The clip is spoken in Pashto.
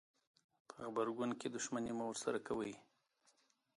په غبرګون کې دښمني مه ورسره کوئ.